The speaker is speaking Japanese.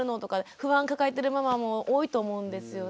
不安抱えてるママも多いと思うんですよね。